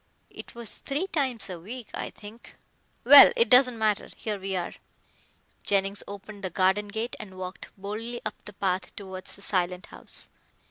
"It was three times a week, I think." "Well, it doesn't matter. Here we are." Jennings opened the garden gate and walked boldly up the path towards the silent house.